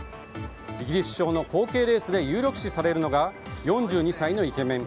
イギリス首相の後継レースで有力視されるのが４２歳のイケメン。